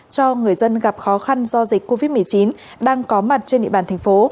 cho người dân gặp khó khăn do dịch covid một mươi chín đang có mặt trên địa bàn tp